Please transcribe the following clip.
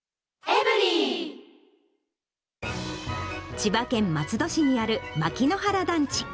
千葉県松戸市にある牧の原団地。